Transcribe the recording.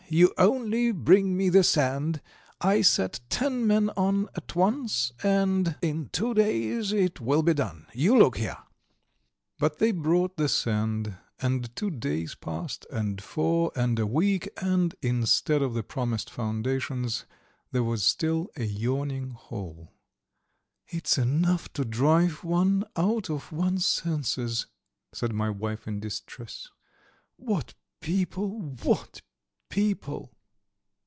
You only bring me the sand; I set ten men on at once, and in two days it will be done! You look here!" But they brought the sand and two days passed, and four, and a week, and instead of the promised foundations there was still a yawning hole. "It's enough to drive one out of one's senses," said my wife, in distress. "What people! What people!"